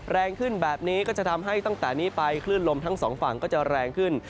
แรงขึ้นแบบนี้ก็จะทำให้ตั้งแต่นี้ไปคลื่นลมทั้งสองฝั่งก็จะแรงขึ้น